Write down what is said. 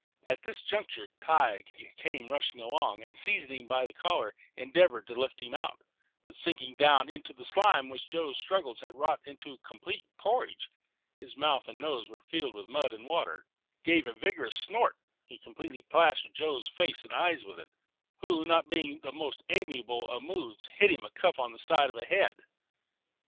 At this juncture Tige came rushing along, and, seizing him by the collar, endeavored to lift him out; but sinking down into the slime, which Joe's struggles had wrought into a complete porridge, his mouth and nose were filled with mud and water: giving a vigorous snort, he completely plastered Joe's face and eyes with it, who, not being in the most amiable of moods, hit him a cuff on the side of the head.